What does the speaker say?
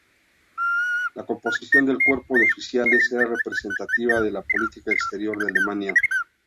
La composición del cuerpo de oficiales era representativa de la política exterior de Alemania.